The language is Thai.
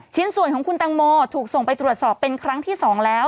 ชิ้นส่วนของคุณตังโมถูกส่งไปตรวจสอบเป็นครั้งที่๒แล้ว